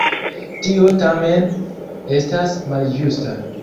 Tio tamen estas malĝusta.